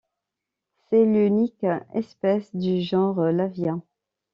C'est l'unique espèce du genre Lavia.